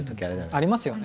ありますよね。